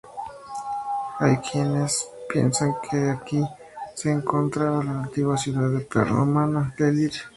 Hay quienes piensan que aquí se encontraba la antigua ciudad prerromana de Lir.